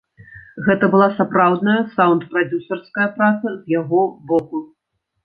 Гэта была сапраўдная саўнд-прадзюсарская праца з яго боку.